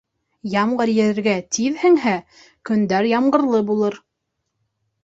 Ямғыр ергә тиҙ һеңһә, көндәр ямғырлы булыр.